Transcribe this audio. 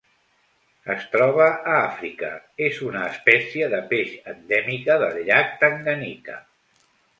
Es troba a Àfrica: és una espècie de peix endèmica del Llac Tanganyika.